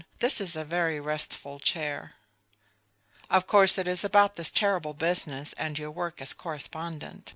this is a very restful chair. Of course it is about this terrible business and your work as correspondent.